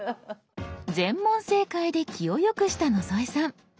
全問正解で気をよくした野添さん。